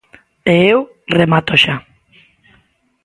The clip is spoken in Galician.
E eu remato xa.